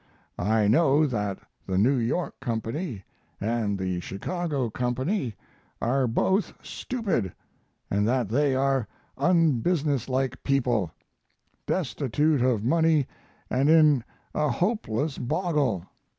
I know that the New York company and the Chicago company are both stupid, and that they are unbusinesslike people, destitute of money and in a hopeless boggle."